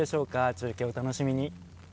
中継をお楽しみに。